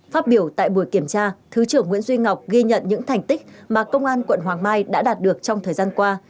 phát biểu tại buổi kiểm tra thứ trưởng nguyễn duy ngọc ghi nhận những thành tích mà công an quận hoàng mai đã đạt được trong thời gian qua